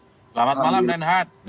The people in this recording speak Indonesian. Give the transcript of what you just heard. selamat malam renhat